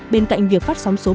bên cạnh việc phát sóng số dab